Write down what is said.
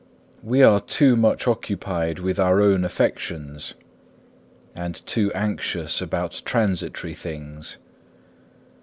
We are too much occupied with our own affections, and too anxious about transitory things.